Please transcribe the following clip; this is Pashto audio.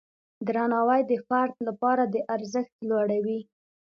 درناوی د فرد لپاره د ارزښت لوړوي.